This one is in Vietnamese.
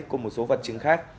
cùng một số vật chứng khác